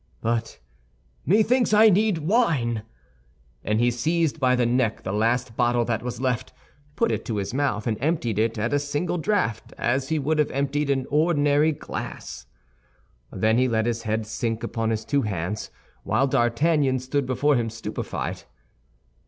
"But methinks I need wine!" and he seized by the neck the last bottle that was left, put it to his mouth, and emptied it at a single draught, as he would have emptied an ordinary glass. Then he let his head sink upon his two hands, while D'Artagnan stood before him, stupefied.